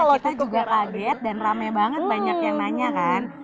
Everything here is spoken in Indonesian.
kita juga kaget dan rame banget banyak yang nanya kan